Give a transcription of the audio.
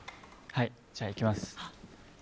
じゃあいきます。